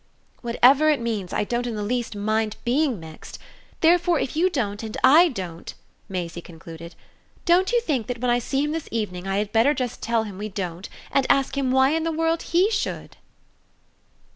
"Whatever it means I don't in the least mind BEING mixed. Therefore if you don't and I don't," Maisie concluded, "don't you think that when I see him this evening I had better just tell him we don't and ask him why in the world HE should?"